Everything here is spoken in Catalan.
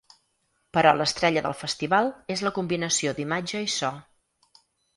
Però l’estrella del festival és la combinació d’imatge i so.